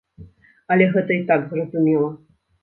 Але гэта і так зразумела.